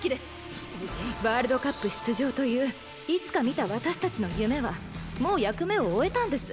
ワールドカップ出場といういつか見た私たちの夢はもう役目を終えたんです。